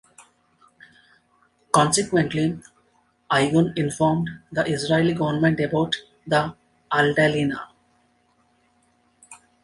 Consequently, Irgun informed the Israeli government about the "Altalena".